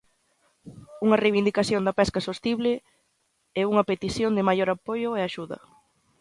Unha reivindicación da pesca sostible e unha petición de maior apoio e axuda.